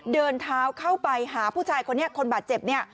เดินเท้าเข้าไปหาผู้ชายคนบาดเจ็บ